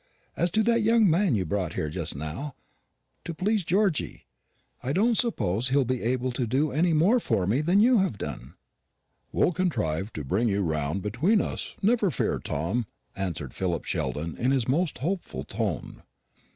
As to that young man you brought here just now, to please Georgy, I don't suppose he'll be able to do any more for me than you have done." "We'll contrive to bring you round between us, never fear, Tom," answered Philip Sheldon in his most hopeful tone.